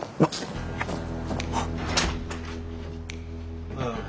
ああ。